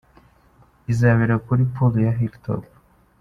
Izabera kuri Pool ya Hill Top.